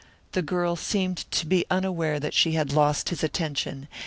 The girl seemed to be unaware that she had lost his attention.